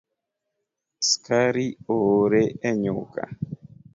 Skari oore e nyuka